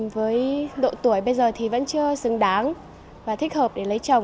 với độ tuổi bây giờ thì vẫn chưa xứng đáng và thích hợp để lấy chồng